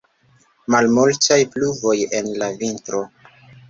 Malmultaj pluvoj en la vintro.